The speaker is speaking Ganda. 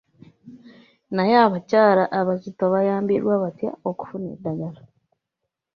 Naye abakyala abazito bayambiddwa batya okufuna eddagala?